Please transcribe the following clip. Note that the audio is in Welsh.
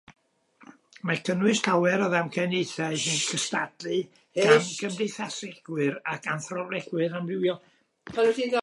Mae'n cynnwys llawer o ddamcaniaethau sy'n cystadlu gan gymdeithasegwyr ac anthropolegwyr amrywiol.